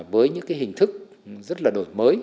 với những cái hình thức rất là đổi mới